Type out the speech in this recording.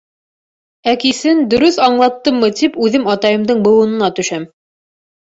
Ә кисен, дөрөҫ аңлаттыммы тип, үҙем атайымдың быуынына төшәм.